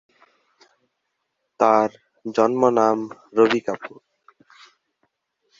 তার জন্ম নাম রবি কাপুর।